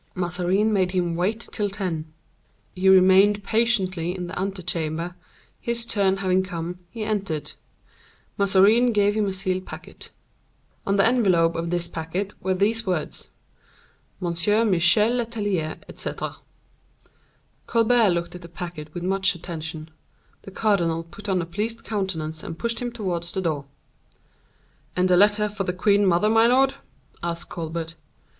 Mazarin made him wait till ten. He remained patiently in the ante chamber; his turn having come, he entered; Mazarin gave him a sealed packet. On the envelope of this packet were these words:—Monsieur Michel Letellier, etc. Colbert looked at the packet with much attention; the cardinal put on a pleasant countenance and pushed him towards the door. "And the letter of the queen mother, my lord?" asked Colbert.